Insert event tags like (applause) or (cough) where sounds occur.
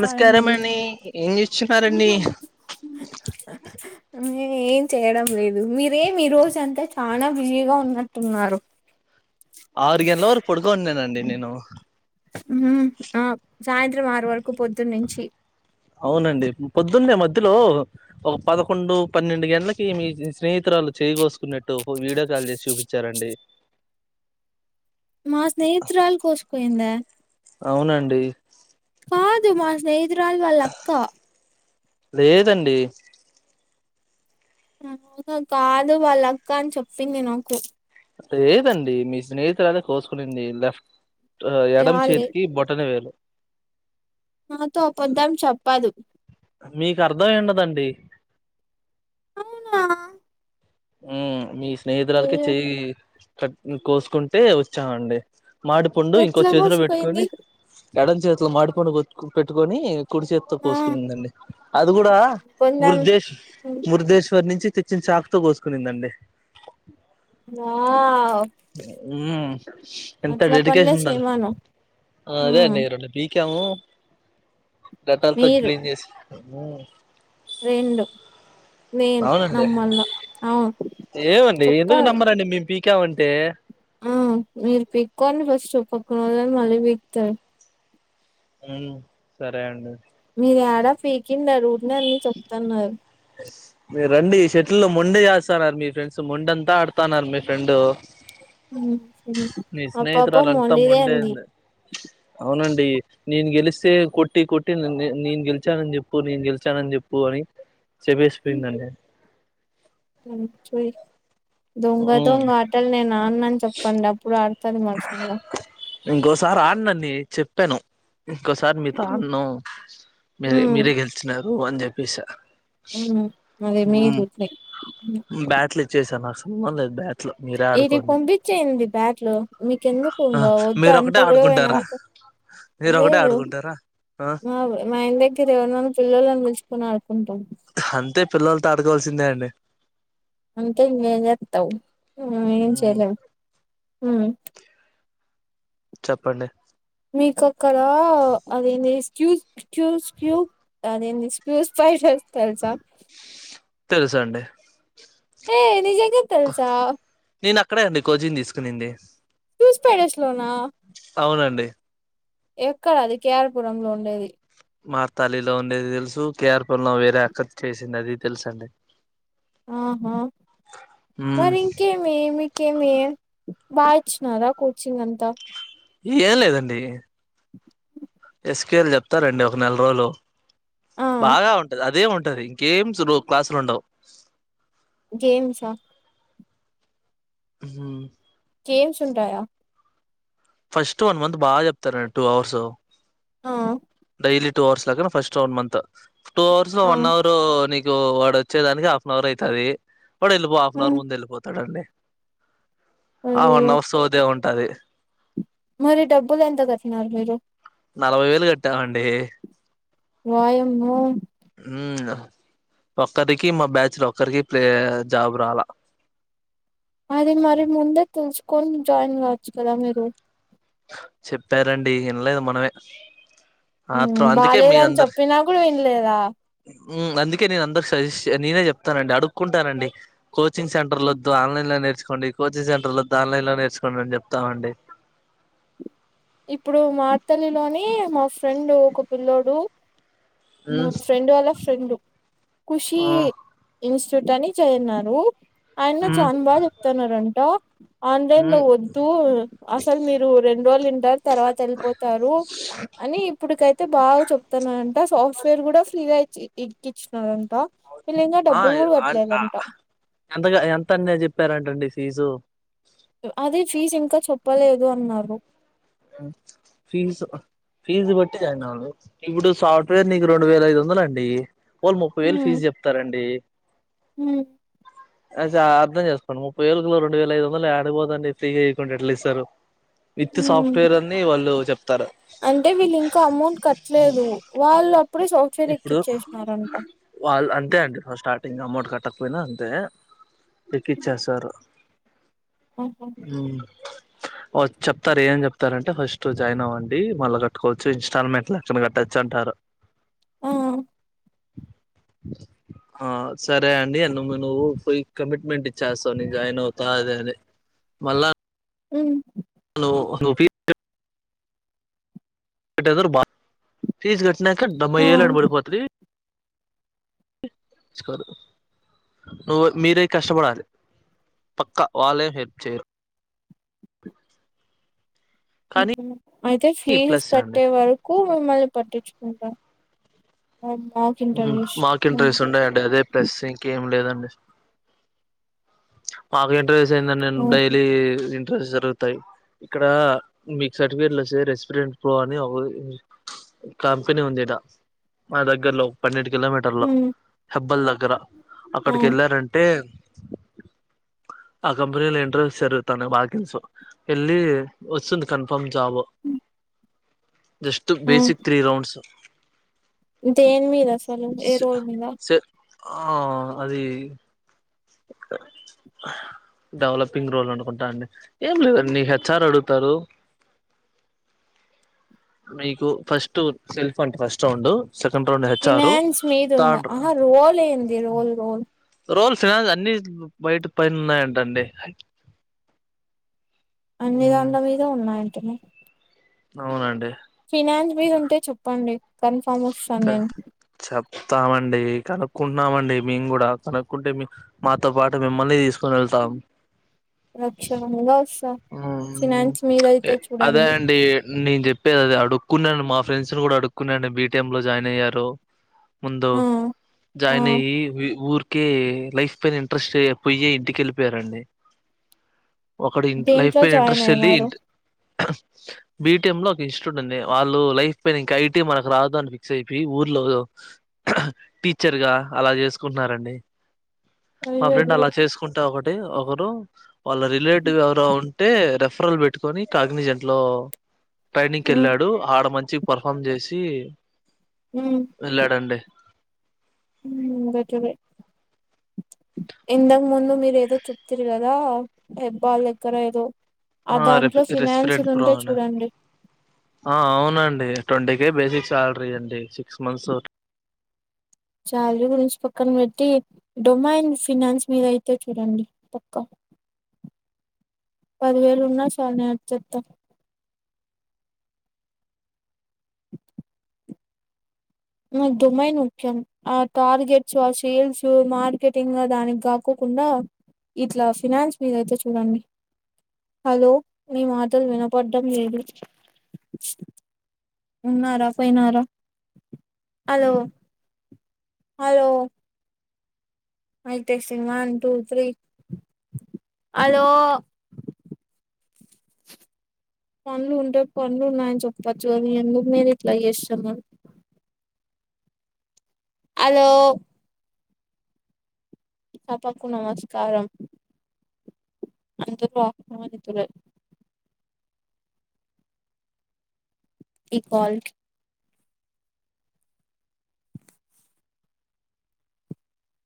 నమస్కారం అండి మండి ఏం చేస్తున్నారండి ఏం చేయడం లేదు మీరేం ఈ రోజు అంతా చానా బిజీగా ఉన్నట్టున్నారు. ఆరు గంటల వరకు పొడుకోన్నానండి నేను ఉ ఆ సాయంత్రం ఆరు వరకు పొద్దున్నుంచి అవునండి పొద్దున్నే మధ్యలో ఒక పదకొండు పన్నెండు గంటలకి మీ స్నేహితురాలు చేయికోసుకున్నట్టు వీడియో కాల్ చేసి చూపించారండి మా స్నేహితురాలు కోసుకునింద అవునండి కాదు మా స్నేహితు (unintelligible) రాల్ వాళ్ళక్క లేదండి అవునా కాదు వాళ్ళ అక్క అని చెప్పింది నాకు లేదండి మీ స్నేహితులదే కోసుకునిండి ఆ ఎడమ ఇయాలే చేతికి బొటన వేలు నాతో అబద్ధం చెప్పదు మీకు అర్ధం అయ్యి ఉండదండి అవునా ఉ మీ స్నేహితురాలకి అయ్యో చేయి కట్ కోసుకుంటే వచ్చామండి మాడి పండు ఇంకో ఎట్లా చేతిలో పెట్టుకొని కోసిపోయింది ఎడమ చేతిలో మాడి పండు పెట్టుకొని కుడి చేతితో ఆ కోసుకునిందండి అది కూడా కొందం మురుధేశ మురుధేశ్వరి నుంచి తెచ్చిన చాక్తో కోస్తుం కునిందండి వావ్ ఉమ్ ఎంత అట్లా పనులే డెడికేషన్ ఉండాలి చేయమను ఆ అదే ఉమ్ అండి రెండు పీకాము గదంతా మీరు క్లీన్ చేసి రెండు నేను అవునండి నమ్మల్ల అవును ఏమండి ఎందుకు చెప్పాలి నమ్మరండి మేము పీకామంటే ఆ మీరు పీక్కకోండి ఫస్ట్ పక్కన వాళ్ళని మళ్ళీ పీకుతాడు ఉ సరే అండి మీరు యాడా పీకిండరు ఊకె అన్ని చెప్తున్నారు మీరు రండి ఈ షటిలు మొండి చేస్తున్నారు మీ ఫ్రెండ్స్ మొండంతా ఆడుతున్నారు మీ ఫ్రెండ్ నీ ఆ పాప స్నేహితురాలు అంతా మొండిదే అండి మొండేంది అవునండి నేను గెలిస్తే కొట్టి కొట్టి నేను గెలిచానని చెప్పు నేను గెలిచానని చెప్పు అని చెపేసిపోయిందండి దొంగ మ్మ్ దొంగ ఆ ఆటలు నేను ఆడనని అని చెప్పండి అప్పుడు ఆడుతది మనుసలుగా ఇంకోసారి ఆడినండీ చెప్పాను ఇంకోసారి మీ తాన్న మీరే మ్మ్ మీరే గెలిచినారు అని చెప్పేసి ఉ మర మీరు బ్యాట్ల చేశాను నాకు సంబంధం బ్యాట్లు మీరే ఇది ఆడుకోండి పంపించేయింది బ్యాట్ లో మీకు ఎందుకు వద్దు ఆ ఇం వద్దు మీరు అంత ఒకటే ఆడుకుంటారా గొడవైనాక మీరు ఒకటే లేదు ఆడుకుంటారా ఆ మా మా మీరు ఎవరైనా పిల్లని పిలుచుొని ఆడుకుంటాం అంతే పిల్లల తో ఆడుకోవాల్సిందే అండి అంతే ఇంకేం చేస్తావ్ ఏం చేయలేం ఉ చెప్పండి మీక అక్కడ అదేంది ఎస్క్యూజ్ స్క్యూస్ క్యూ నేను స్క్యూస్ ఫైటర్స్ తెలుసా తెలుసండి హే నిజం గా తెల్సా నేను అక్కడే అండి కోచింగ్ తీసుకునింది ఫైవ్ డేస్ లోనా అవునండి ఎక్కడ అది కేర్పురం లో ఉండేది మా తాలిలో ఉండేది తెలుసు కేఆర్పు లో వేరే అక్కర్ చేసింది అది తెలుసండి ఆహా మ్మ్ మరి ఇంకే ఏమి మీక ఏమి బాగా ఇచ్చినారా కోచింగ్ అంతా ఇయ్య లేదండి స్కేలు చెప్తారండి ఒక నెల రోజులు ఆ బాగా ఉంటది అదే ఉంటది గేమ్స్ క్లాస్లు ఉండవు గేమ్సా హ గేమ్స్ ఉంటాయ్ ఫస్ట్ వన్ మంత్ బాగా చెప్తారండి టూ అవర్స్ ఆ డైలీ టూ అవర్స్ లాగా first one month two hours లో ఆ వన్ అవర్ ఇ వాడు వచ్చే దానికి హాఫ్ అన్ అవర్ అవుతది వాడు వెళ్ళిపో హాఫ్ అన్ అవర్ ముందు వెళ్ళిపోతాడండి ఆ వన్ అయ్యయ్యో అవర్ సోదే ఉంటది మరి డబ్బులు ఎంత కట్టినారు మీరు నలభై వేలు కట్టామండి వాయమ్మో ఉ ఒక్కరికి మా బ్యాచ్ లో ఒక్కరికి ప్లే జాబ్ రాలా అది మరి ముందే తెలుసుకొని జాయిన్ అవచ్చు కదా మీరు చెప్పారండి వినలేదు మనమే ఆత్రం అందుకే బాలేదని చెప్పినా కూడా వినలేదా ఉమ్ అందుకే నేను అందరి సజెస్ నేనే చెప్తానండి అడుక్కుంటానండి కోచింగ్ సెంటర్ల ఉమ్, వద్దు ఆన్లైన్ లో నేర్చుకోండి కోచింగ్ సెంటర్ల వద్దు ఆన్లైన్ లో నేర్చుకోండి అని చెప్తామండి ఇప్పుడు మార్తల్లి లోని మా ఫ్రెండ్ ఒక పిల్లోడు మా మ్మ్ ఫ్రెండ్ వాళ్ళ ఫ్రెండు ఖుషి ఆ ఇన్స్టిట్యూట్ అని చేయన్నారు ఆయన చా మ్మ్ బాగా చెప్తున్నారుంట ఆన్లైన్ లో మ్మ్ వద్దు అసలు మీరు రెండు రోజులు వింటారు తర్వాత వెళ్ళిపోతారు. అని ఇప్పుడికైతే బాగా చెప్తాన్నా టా సాఫ్ట్వేర్ కూడా ఫ్రీ గా ఇ ఇకి ఇచ్చినారంట ఈ లింక ఆ డబ్బులు కూడా అన్ ఆ కట్టలేదుంట ఎంతగా ఎంత అన్న చెప్పారంటండి ఫీజు అదే ఫీజు ఇంకా చెప్పలేదు అన్నారు. ఫీస్ ఫీజు బట్టి జాయిన్ అవ్వాలి ఇప్పుడు సాఫ్ట్వేర్ నీకు రెండు వేల ఐదు వందల అండి పోని ముప్పై వేలు హ్మ్ ఫీజు చెప్తారండి హ్మ్ అ అర్థం చేసుకోండి ముప్పై వేలకులో రెండు వేల ఐదు వందలు ఎడికిపోతుదండి ఫ్రీ గా ఇయ్యకుండా ఎట్లా ఇస్తారు. విత్ హ్మ్ సాఫ్ట్వేర్ అని వాళ్ళు చెప్తారు అంటే వీళ్ళు ఇంకా అమౌంట్ కట్టలేదు వాళ్ళు అప్పుడే సాఫ్ట్వేర్ ఇప్పుడు ఎక్కించేసినారంట వాళ్ళు అంతే అండి స్టార్టింగ్ అమౌంట్ కట్టకపోయినా అంతే ఎక్కిచ్చేస్తారు ఆహా! చెప్తారు ఏం చెప్తారంటే ఫస్ట్ జాయిన్ అవ్వండి మళ్ళా కట్టువచ్చు ఇన్స్టాల్మెంట్ లెక్కన కట్టచ్చు అంటారు ఆ ఆ సరే అండి నువ్వు పోయి కమిట్మెంట్ ఇచ్చేస్తావు నీ జాయిన్ అవుతా అది అని మళ్ ఊ లో రూపీ డెసరు బా ఫీస్ కట్నాక డెబ్బై ఆ! ఏలు ఆడ బడిపోతది సుకోదు నువ్వు మీరే కష్టపడాలి పక్కా వాళ్ళేం హెల్ప్ చేయరు కానీ ఊహూ అయితే ఫీస్ ప్లస్ అండి కట్టేవాడు క్కూ మిమ్మల్ని పట్టించుకుంటాం అ మాక్ ఊ ఇంటర్వ్యూస్ మాకు హ్మ్. ఇంట్రెస్ ఉండయండి అదే ప్రస్ ఇంకేం లేదండి మాకు ఇంటర్వ్యూస్ అయిందండి నేను ఓహో! డైలీ ఇన్ ట్రి జరుగుతాయి ఇక్కడ మీకు సర్టిఫికెట్లు వస్తే రెస్పిరెంట్ ప్రో అని కంపెనీ ఉంది ఈడ మా దగ్గరలో పన్నెంటికి కిలోమీటర్ లో హ్మ్. హెబ్బల్ దగ్గర ఆ! అక్కడికెళ్ళారంటే ఆ కంపెనీలో ఇంటర్వూస్ జరుగుతున్నాయి వాకిన్సు ఎళ్ళి వస్తుంది కన్ఫార్మ్ జాబ్ జస్ట్ ఆ! బేసిక్ త్రీ రౌండ్స్ దేని మీద అసలు ఏ రోల్ మీద స ఆ అది డెవలపింగ్ రోల్ అనుకుంటా అండి ఏం లేదే నీ హెచ్ ఆర్ అడుగుతారు మీకు ఫస్ట్ సెల్ఫ్ అంట ఫస్ట్ రౌండు సెండ్ రౌండ్ హె ఫినాన్స్ మీద ఉండా ఆహా రోల్ ఏంది రోల్ రోల్ రోల్ ఫినాన్స్ అన్నీ బయట పైన ఉన్నాయంట అండి అన్నీ ఉమ్, దాన్ల మీద ఉన్నాయంటనా అవునండి ఫినాన్స్ మీద ఉంటే చొప్పండి కన్ఫర్మ్ వస్తాను క- నేను చెప్తామండి కనుక్కుంటున్నామండి మేం కూడా కనుక్కుంటే మీ మాతో పాటు మిమ్మల్నీ తీసుకోని వెళ్తాం లక్షణంగా వస్తా ఫినాన్స్ మీద అయితే అదే చూడండి అండి నేను చెప్పేది అదే అడుక్కున్నాను మా ఫ్రెండ్స్ ని కూడా అడుక్కున్నాను బీ టి ఎం లో జాయిన్ అయ్యారు ముందు ఆ ఆ జాయిన్ అయ్యి ఊర్కే లైఫ్ పైన ఇంట్రెస్ట్ చే పోయ్యే ఇంటికెళ్ళిపోయారండి ఒకడు ఇంట్ల లైఫ్ దేంట్లో పైన జాయిన్ ఇంట్రెస్ట్ ఎళ్ళి ఇం అయినారు (unintelligible) బి టి ఎం లో ఒక ఇన్స్టిట్యూట్ ఉంది వాళ్ళు లైఫ్ పైన ఇంకా ఐ టీ మనకు రాదు అని ఫిక్స్ అయిపోయి ఊర్లో టీచర్ గా అలా చేసుకుంటున్నారండి మా ఫ్రెండ్ అయ్యయ్యో అలా చేసుకుంటే ఒకటి ఒకరు వాళ్ళ రిలేటివ్ ఎవరో టే రెఫరల్ పెట్టుకొని కాగ్నిజెంట్ లో ట్రైనింగ్ ఉమ్ కెళ్ళాడు ఆడ మంచి పర్ఫార్మ్ చేసి ఊ వెళ్ళాడండి ఊ బట్ ఇది ఇంతకు ముందు మీరు ఏదో చెప్తిరి కదా హబ్బాళ్ళ్ దగ్గర ఏదో ఆ రె దాంట్లో ఫినాన్స్ రెస్పిరెంట్ ది ప్రో ఉంటే అని చూడండి ఆ అవునండి టొంటీ కే బేసిక్ సాలరీ అండి సిక్స్ మంత్స్ శాలరీ గురించి పక్కన పెట్టి డొమాన్ ఫినాన్స్ మీద అయితే చూడండి పక్కా పదివేలు ఉన్నా చాలు నే వచ్చేత్త నా డొంమైన్ ముఖ్యం ఆ టార్గెట్స్ ఆ సేల్స్ మార్కెటింగ్ దానికి కాకొకుండా ఇట్లా ఫినాన్స్ మీద అయితే చూడండి హలో మీ మాటలు వినపడ్డం లేదు ఉన్నారా పోయినార hello hello mic testing one two three అలో పన్లు ఉంటే పన్లు ఉన్నాయని చెప్పచ్చుగ ఎందుకు నేను ఇట్లా చేస్తున్న అలో సభకు నమస్కారం అందరూ ఆహ్వానితులే ఈ కాల్కి